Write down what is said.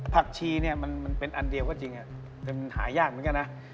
ผักชีเนี่ยมันเป็นอันเดียวก็จริงแต่มันหายากเหมือนกันนะ